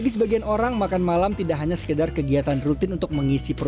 bagi sebagian orang makan malam tidak hanya sekedar kegiatan rutin untuk mengisi perut